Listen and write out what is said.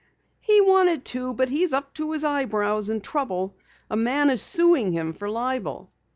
"He wanted to, but he's up to his eyebrows in trouble. A man is suing him for libel."